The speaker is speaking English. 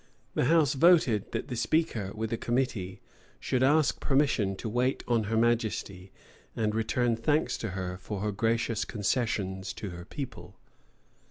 [v] The house voted, that the speaker, with a committee, should ask permission to wait on her majesty, and return thanks to her for her gracious concessions to her people.